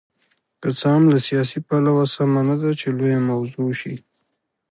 که څه هم له سیاسي پلوه سمه نه ده چې لویه موضوع شي.